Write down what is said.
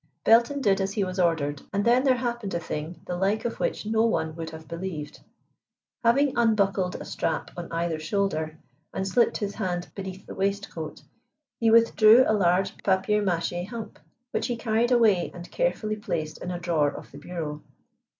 Belton did as he was ordered and then there happened a thing the like of which no one would have believed. Having unbuckled a strap on either shoulder, and slipped his hand beneath the waistcoat, he withdrew a large papier mâché hump, which he carried away and carefully placed in a drawer of the bureau.